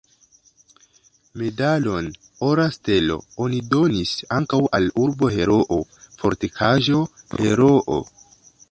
Medalon "Ora stelo" oni donis ankaŭ al "Urbo-Heroo", "Fortikaĵo-Heroo".